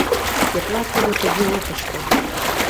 Тетла тудо тыге ок ыште.